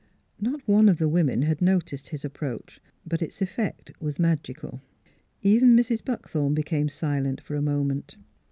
Not one of the women had noticed his approach, but its effect was magical. Even Mrs. Buckthorn became silent for a moment.